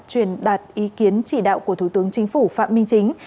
truyền đạt ý kiến chỉ đạo của thủ tướng chính phủ phạm minh chính